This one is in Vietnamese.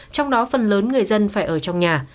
trong đó phần lớn người dân phải ở trong nhà